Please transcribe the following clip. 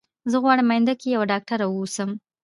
زه غواړم اينده کي يوه ډاکتره اوسم